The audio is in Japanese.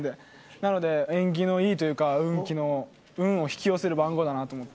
なので縁起のいいというか運を引き寄せる番号だなと思って。